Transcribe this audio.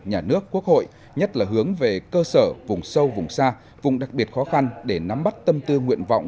nhà nước quốc hội nhất là hướng về cơ sở vùng sâu vùng xa vùng đặc biệt khó khăn để nắm bắt tâm tư nguyện vọng